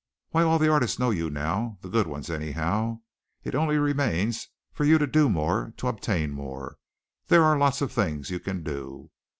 Why, all the artists know you now the good ones, anyhow. It only remains for you to do more, to obtain more. There are lots of things you can do."